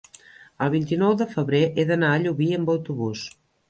El vint-i-nou de febrer he d'anar a Llubí amb autobús.